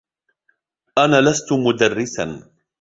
أنا لست مدرساً.